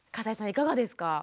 いかがですか？